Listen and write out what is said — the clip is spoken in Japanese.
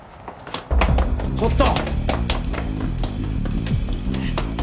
ちょっと！？